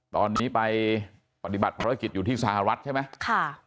ตอนนี้ไปปฏิบัติภารกิจอยู่ที่สหรัฐใช่ไหมค่ะ